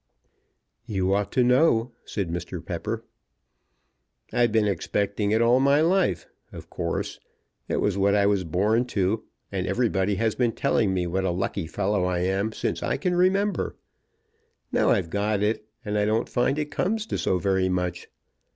"You ought to know," said Mr. Pepper. "I've been expecting it all my life, of course. It was what I was born to, and everybody has been telling me what a lucky fellow I am since I can remember. Now I've got it, and I don't find it comes to so very much.